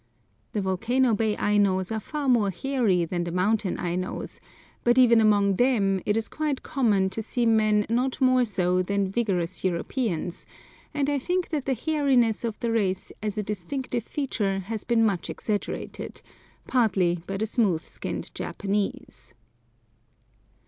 The Volcano Bay Ainos are far more hairy than the mountain Ainos, but even among them it is quite common to see men not more so than vigorous Europeans, and I think that the hairiness of the race as a distinctive feature has been much exaggerated, partly by the smooth skinned Japanese.